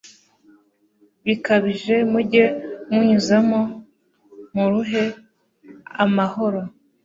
bikabije mujye munyuzamo muruhe amahoro